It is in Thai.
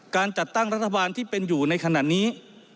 การจัดตั้งรัฐบาลที่เป็นอยู่ในขณะนี้